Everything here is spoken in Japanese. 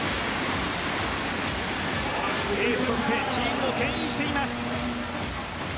エースとしてチームを牽引しています。